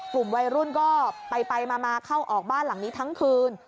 กลุ่มวัยรุ่นก็ไปมาเข้าออกบ้านหลังนี้ทั้งคืน